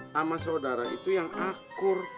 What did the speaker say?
sama saudara itu yang akur